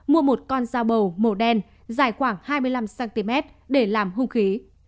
mua một con dao bầu màu đen dài khoảng hai mươi năm cm để làm hung khí